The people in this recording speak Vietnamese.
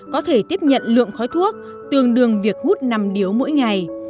có thể tiếp nhận lượng khói thuốc tương đương việc hút nằm điếu mỗi ngày